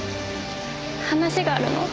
話があるの。